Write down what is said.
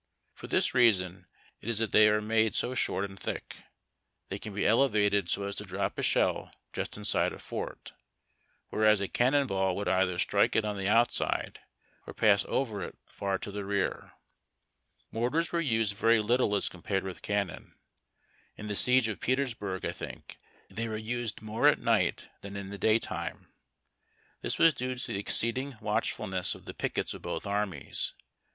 For this reason it is that they are made so short and thick. They can be elevated so as to drop a shell just inside a fort, whereas a cannon ball would either strike it on the outside, or pass over it far to the rear. Mortars were used very little as compared with cannon. In the siege of Petersburg, I think, they were used more at night than in the daytime. Tins was due to the exceeding watchfulness of the pickets of both armies.